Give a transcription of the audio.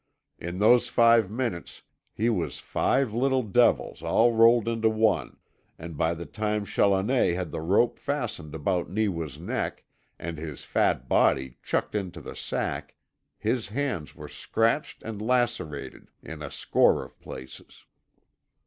In those five minutes he was five little devils all rolled into one, and by the time Challoner had the rope fastened about Neewa's neck, and his fat body chucked into the sack, his hands were scratched and lacerated in a score of places.